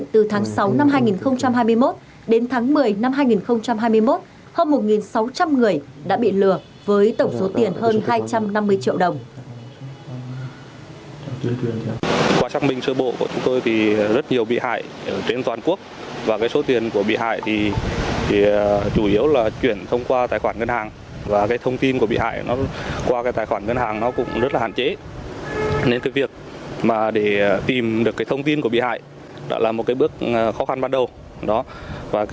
từ sáu năm hai nghìn hai mươi một đến tháng một mươi năm hai nghìn hai mươi một hơn một sáu trăm linh người đã bị lừa với tổng số tiền hơn hai trăm năm mươi triệu đồng